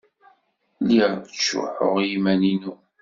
Lliɣ ttcuḥḥuɣ i yiman-inu.